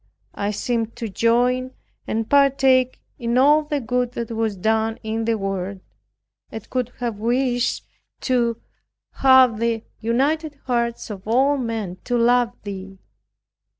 I seemed to join and partake in all the good that was done in the world, and could have wished to have the united hearts of all men to love Thee.